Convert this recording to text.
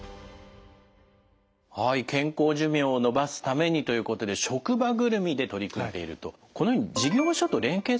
はい健康寿命を延ばすためにということで職場ぐるみで取り組んでいると。